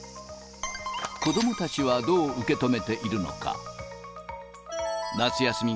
子どもたちはどう受け止めているのか。